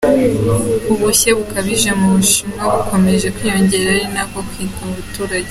Ubushyuhe bukabije mu Bushinwa bukomeje kwiyongera ari na ko buhitana abaturage.